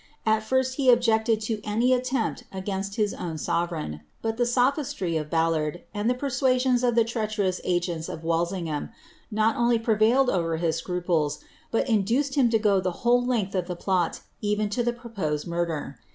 At lirat, he otijecied to uiiy attempt against his own sovereign ; but the sophistry of Ballard, and the persuasiotis of the treacherous agenLi nf WaUiiigliam, not ovlj prevailed over his scruples, bul induced him to go the whole length li the plot, even lo the proposed murder.